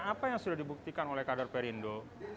apa yang sudah dibuktikan oleh kader perindo